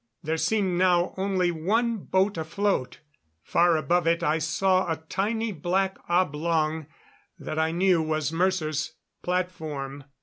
There seemed now only one boat afloat. Far above it I saw a tiny black oblong that I knew was Mercer's platform.